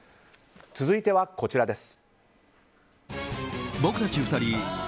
続いてはこちらです。